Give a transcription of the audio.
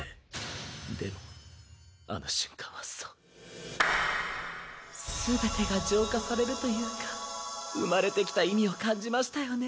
でもあの瞬間はそう全てが浄化されるというか生まれてきた意味を感じましたよね。